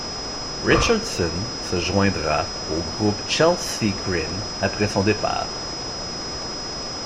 Richardson se joindra au groupe Chelsea Grin après son départ.